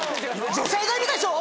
女性がいるでしょ！